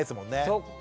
そっか！